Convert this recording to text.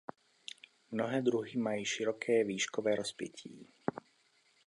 Mnohé druhy mají široké výškové rozpětí.